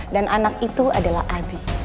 dan anak itu adalah abi